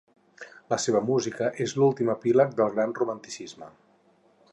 La seva música és l'últim epíleg del gran romanticisme.